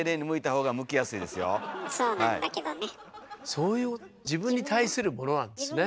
そういう自分に対するものなんですね。